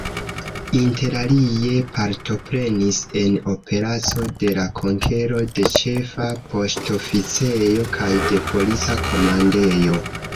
Interalie partoprenis en operaco de la konkero de Ĉefa Poŝtoficejo kaj de Polica Komandejo.